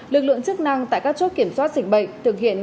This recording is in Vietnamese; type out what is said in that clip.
lực lượng chức năng tại các chốt kiểm soát dịch bệnh thực hiện